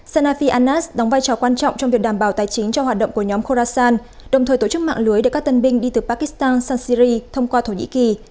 sannafi annas đóng vai trò quan trọng trong việc đảm bảo tài chính cho hoạt động của nhóm khorasan đồng thời tổ chức mạng lưới để các tân binh đi từ pakistan sang syri thông qua thổ nhĩ kỳ